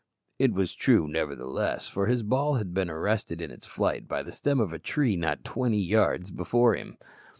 It was true, nevertheless, for his ball had been arrested in its flight by the stem of a tree not twenty yards before him.